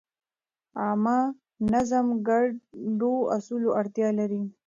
عامه نظم د ګډو اصولو اړتیا لري.